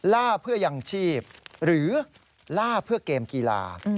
ล่าเพื่อยังชีพหรือล่าเพื่อเกมกีฬา